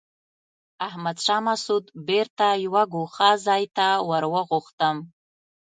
احمد شاه مسعود بېرته یوه ګوښه ځای ته ور وغوښتم.